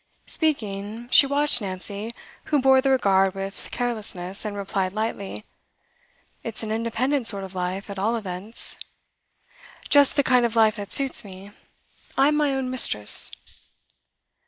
Speaking, she watched Nancy, who bore the regard with carelessness, and replied lightly: 'It's an independent sort of life, at all events.' 'Just the kind of life that suits me. I'm my own mistress.